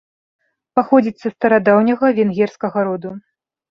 Паходзіць са старадаўняга венгерскага роду.